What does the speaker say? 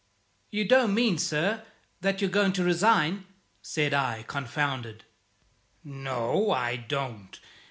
"You don't mean, sir, that you're going to resign!" said I, confounded. "No, I don't.